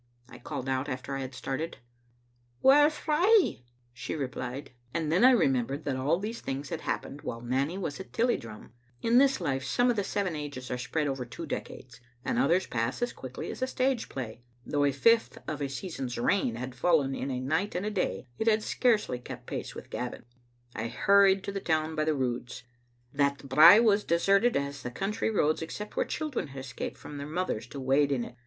I called out after I had started. " Whaur frae?" she replied; and then I remembered that all these things had happened while Nanny was at Tilliedrum. In this life some of the seven ages are spread over two decades, and others pass as quickly as a stage play. Though a fifth of a season's rain had fallen in a night and a day, it had scarcely kept pace with Gavin. I hurried to the town by the Roods. That brae was as deserted as the country roads, except where children had escaped from their mothers to wade in it.